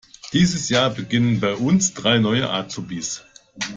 Dieses Jahr beginnen bei uns drei neue Azubis.